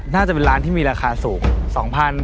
น่าจะเป็นร้านที่มีราคาสูง